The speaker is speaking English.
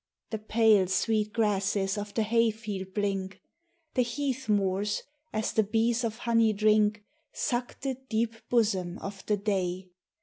The pale, sweet grasses of the hayfield blink ; The heath moors, as the bees of honey drink. Suck the deep bosom of the day.